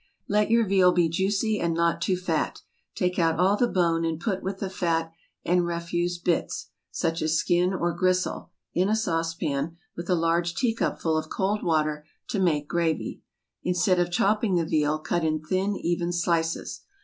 Let your veal be juicy and not too fat. Take out all the bone, and put with the fat and refuse bits, such as skin or gristle, in a saucepan, with a large teacupful of cold water to make gravy. Instead of chopping the veal, cut in thin, even slices.